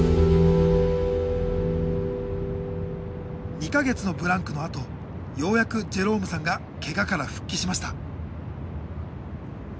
２か月のブランクのあとようやくジェロームさんがけがから復帰しました。